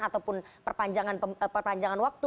ataupun perpanjangan waktu